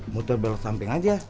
muter belok samping aja